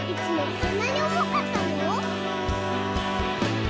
こんなにおもかったの？」